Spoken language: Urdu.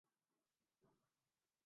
آئے تو یوں کہ جیسے ہمیشہ تھے مہرباں